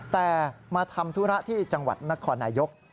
แต่มาทำธุระที่จังหวัดนครนายก